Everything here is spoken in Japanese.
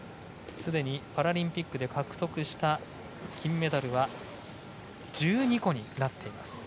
すでにパラリンピックで獲得した金メダルは１２個です。